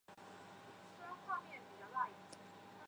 治所在故归依城。